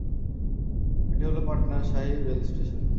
এটি হল Patna Sahib rail station.